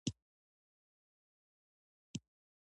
آيا تاسو مفتي ابوخالد لائق احمد غزنوي پيژنئ؟